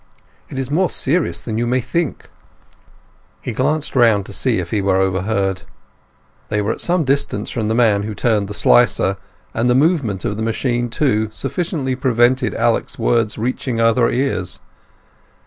"It is more serious than you may think." He glanced round to see if he were overheard. They were at some distance from the man who turned the slicer, and the movement of the machine, too, sufficiently prevented Alec's words reaching other ears.